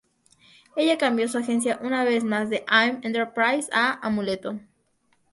Ella cambió su agencia una vez más de I'm Enterprise a Amuleto.